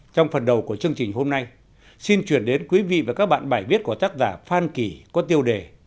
trong phần đầu của chương trình hôm nay xin chuyển đến quý vị và các bạn bài viết của tác giả phan kỳ có tiêu đề